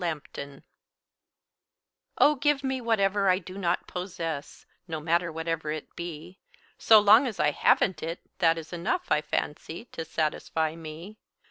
LAMPTON Oh, give me whatever I do not possess, No matter whatever it be; So long as I haven't it that is enough, I fancy, to satisfy me.